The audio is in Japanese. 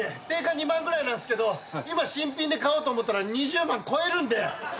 定価２万ぐらいなんですけど今新品で買おうと思ったら２０万超えるんで。